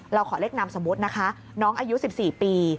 เราขอเรียกนามสมมุตินะคะน้องอายุ๑๔ปี